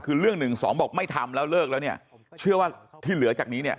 คือเรื่อง๑๒บอกไม่ทำแล้วเลิกแล้วเนี่ยเชื่อว่าที่เหลือจากนี้เนี่ย